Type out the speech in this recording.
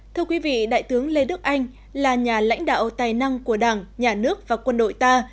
thưa quý vị đại tướng lê đức anh là nhà lãnh đạo tài năng của đảng nhà nước và quân đội ta